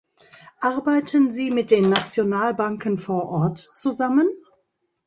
Arbeiten Sie mit den Nationalbanken vor Ort zusammen?